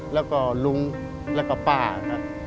แล้วก็ลุงแล้วก็ป้าครับ